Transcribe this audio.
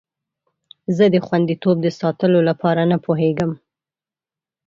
زه د خوندیتوب د ساتلو لپاره نه پوهیږم.